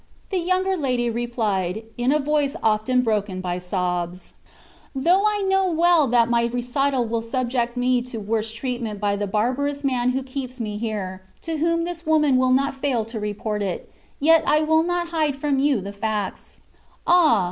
The younger lady replied, in a voice often broken with sobs: "Though I know well that my recital will subject me to worse treatment by the barbarous man who keeps me here, to whom this woman will not fail to report it, yet I will not hide from you the facts. Ah!